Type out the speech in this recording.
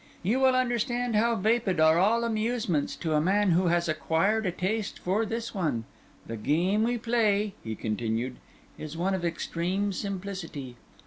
You will understand how vapid are all amusements to a man who has acquired a taste for this one. The game we play," he continued, "is one of extreme simplicity.